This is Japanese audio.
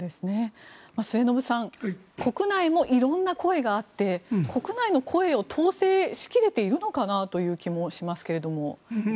末延さん国内でも色んな声があって国内の声を統制し切れているのかなという気もしますが。